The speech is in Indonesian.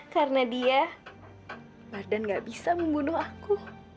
karena dia badan nggak bisa membunuh aku